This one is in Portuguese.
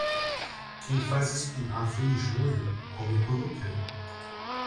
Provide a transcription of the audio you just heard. Quem faz espinafre em julho, come quando quer.